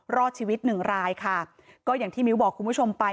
รอดชีวิตหนึ่งรายค่ะก็อย่างที่มิ้วบอกคุณผู้ชมไป